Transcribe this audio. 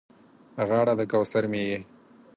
غاړه د کوثر مې یې